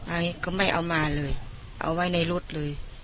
อันนี้ก็ไม่เอามาเลยเอาไว้ในรถเลย